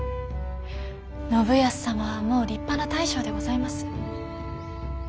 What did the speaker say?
信康様はもう立派な大将でございます。